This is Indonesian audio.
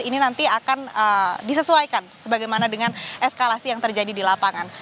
ini nanti akan disesuaikan sebagaimana dengan eskalasi yang terjadi di lapangan